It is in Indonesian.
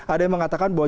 ada yang mengatakan bahwa